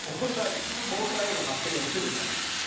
交際への発展を防ぐため。